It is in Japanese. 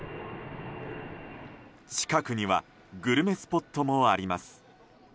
近くにはグルメスポットもあります。